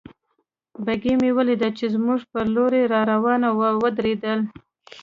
بګۍ مې ولیدل چې زموږ پر لور را روانه وه، ودرېدل.